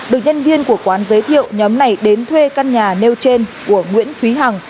được nhân viên của quán giới thiệu nhóm này đến thuê căn nhà nêu trên của nguyễn thúy hằng